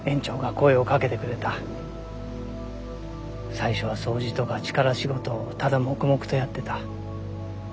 最初は掃除とか力仕事をただ黙々とやってた。